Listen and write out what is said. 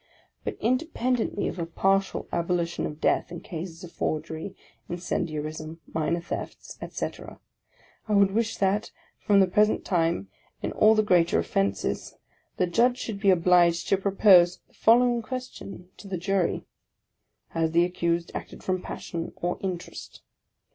But in dependently of a partial abolition of death in cases of forgery, incendiarism, minor thefts, efc camera, I would wish that, from the present time, in all the greater offences, the Judge should be obliged to propose the following question to the Jury : "Has the accused acted from Passion, or Interest?"